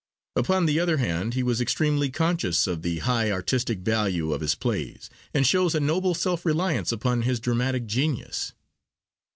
Upon the other hand he was extremely conscious of the high artistic value of his plays, and shows a noble self reliance upon his dramatic genius.